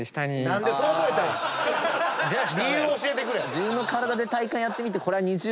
自分の体でやってみてこれは。